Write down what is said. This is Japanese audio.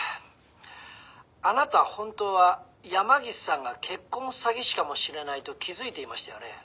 「あなた本当は山岸さんが結婚詐欺師かもしれないと気づいていましたよね？」